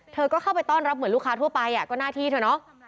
เธอก็เข้าไปต้อนรับเหมือนลูกค้าทั่วไปก็หน้าที่เธอเนาะ